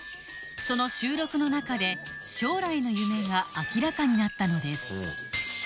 その収録の中で将来の夢が明らかになったのです・